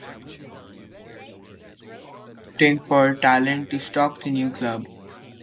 Johnson began scouting for talent to stock the new club.